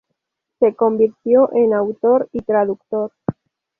Se convirtió en autor y traductor.